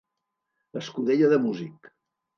Escudella de músic.